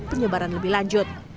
penyebaran lebih lanjut